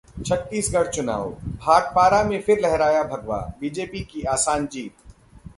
छत्तीसगढ़ चुनाव: भाटापारा में फिर लहराया भगवा, बीजेपी की आसान जीत